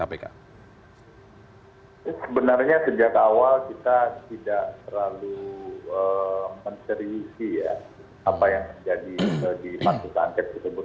sebenarnya sejak awal kita tidak terlalu mencerisi ya apa yang terjadi di pansus angket tersebut